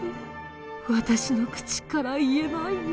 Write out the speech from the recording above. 私の口から言えないよ。